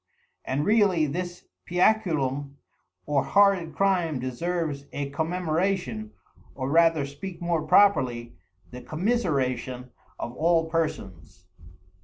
And really this Piaculum or horrid Crime deserves a Commemoration, or rather speak more properly, the Commiseration of all Persons."